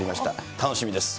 楽しみです。